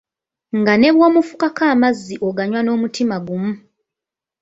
Nga ne bw'omufukako amazzi oganywa n'omutima gumu!